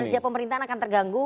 kinerja pemerintahan akan terganggu